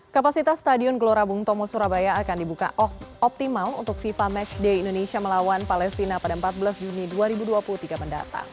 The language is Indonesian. kapasitas stadion gelora bung tomo surabaya akan dibuka optimal untuk fifa matchday indonesia melawan palestina pada empat belas juni dua ribu dua puluh tiga mendatang